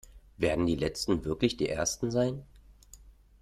Werden die Letzten wirklich die Ersten sein?